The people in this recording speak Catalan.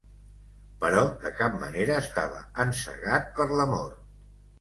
Però de cap manera estava encegat per l'amor.